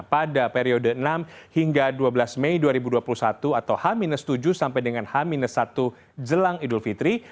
pada periode enam hingga dua belas mei dua ribu dua puluh satu atau h tujuh sampai dengan h satu jelang idul fitri